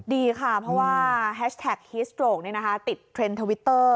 ดีค่ะเพราะว่าแฮชแท็กฮิสโตรกติดเทรนด์ทวิตเตอร์